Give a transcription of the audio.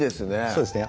そうですね